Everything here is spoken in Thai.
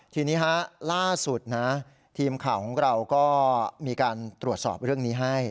ทีนี้ล่าสุดนะทีมข่าวของเราก็มีการตรวจสอบเรื่องนี้ให้